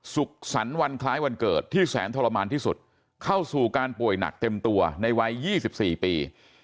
สุขสรรค์วันคล้ายวันเกิดที่แสนทรมานที่สุดเข้าสู่การป่วยหนักเต็มตัวในวัย๒๔ปี